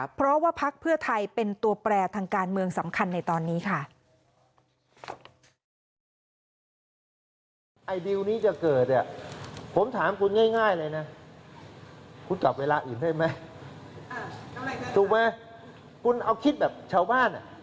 เพราะว่าพักเพื่อไทยเป็นตัวแปรทางการเมืองสำคัญในตอนนี้ค่ะ